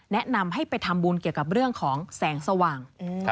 แนะนำให้ไปทำบุญเกี่ยวกับเรื่องของแสงสว่าง